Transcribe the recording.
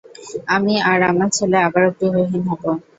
আমি আর আমার ছেলে আবারও গৃহহীন হবো।